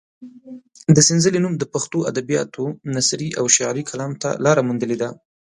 د سنځلې نوم د پښتو ادبیاتو نثري او شعري کلام ته لاره موندلې ده.